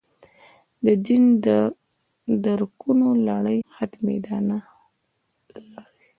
دین درکونو لړۍ ختمېدا نه لري.